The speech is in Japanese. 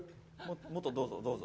もっとどうぞ、どうぞ。